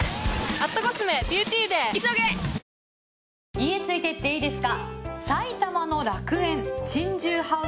『家ついて行ってイイですか？』。